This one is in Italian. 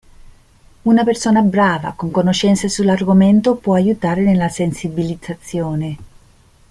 Una persona brava con conoscenze sull'argomento può aiutare nella sensibilizzazione.